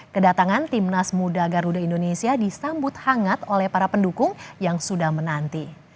kedatangan timnas muda garuda indonesia disambut hangat oleh para pendukung yang sudah menanti